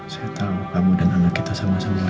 saya tahu kamu dan anak kita sama sama rina yang kuat